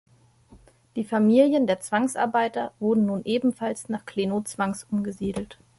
Die Familien der Zwangsarbeiter wurde nun ebenfalls nach Gleno zwangsumgesiedelt.